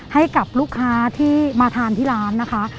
ให้กับลูกค้าที่มาทานที่ร้านนะคะ